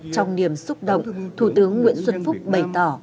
trong niềm xúc động thủ tướng nguyễn xuân phúc bày tỏ